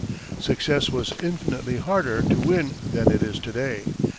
Success was infinitely harder to win than it is to day.